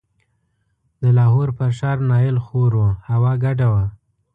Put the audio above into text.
د لاهور پر ښار نایل خور و، هوا ګډه وه.